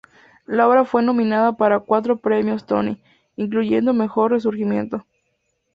La obra fue nominada para cuatro Premios Tony, incluyendo mejor resurgimiento.